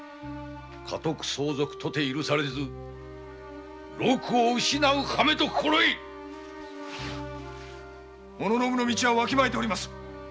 家督相続とて許されず祿を失う羽目と心得い武士の道はわきまえております。